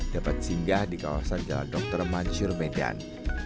dapat singgah di kawasan jalan dr mansur medan